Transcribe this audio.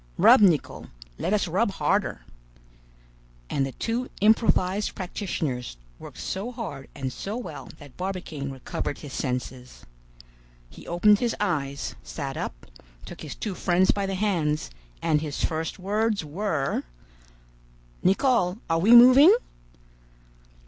Rub, Nicholl; let us rub harder." And the two improvised practitioners worked so hard and so well that Barbicane recovered his senses. He opened his eyes, sat up, took his two friends by the hands, and his first words were— "Nicholl, are we moving?"